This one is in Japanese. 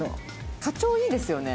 課長いいですよね。